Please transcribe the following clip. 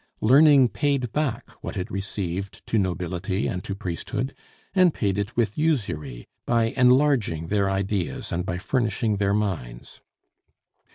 Learning paid back what it received to nobility and to priesthood; and paid it with usury, by enlarging their ideas and by furnishing their minds.